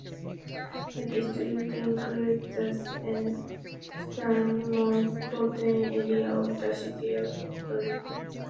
The district includes the eastern metropolitan area of the city of Ulm.